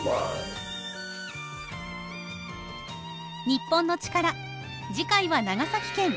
『日本のチカラ』次回は長崎県。